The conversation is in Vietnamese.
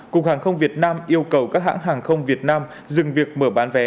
cục hàng không việt nam yêu cầu các hãng hàng không việt nam dừng việc mở bán vé